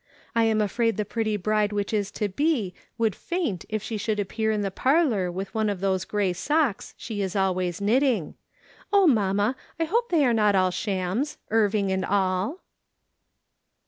I am afraid the pretty bride that is to be would faint if she should appear in the parlour with one of those grey socks she is always knitting. Oh, mamma, I hope they are not all shams, Irving and all